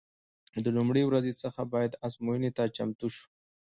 د لومړۍ ورځې څخه باید ازموینې ته چمتو شو.